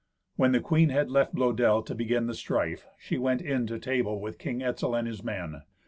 When the queen had left Blœdel to begin the strife, she went in to table with King Etzel and his men.